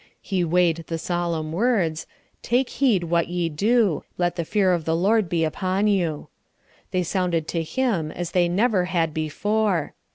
He weighed the solemn words, "Take heed what ye do; let the fear of the Lord be upon you." They sounded to him as they never had before.